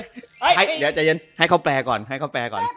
เอยเดี๋ยวใจเย็นให้เขาแปรก่อนให้เขาแปรก่อน